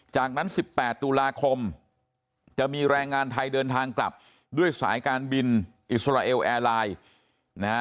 จากนั้น๑๘ตุลาคมจะมีแรงงานไทยเดินทางกลับด้วยสายการบินอิสราเอลแอร์ไลน์นะฮะ